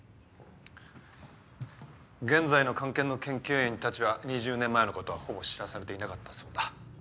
現在の菅研の研究員たちは２０年前のことはほぼ知らされていなかったそうだ。